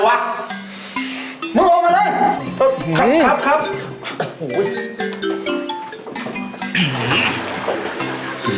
ครับครับครับ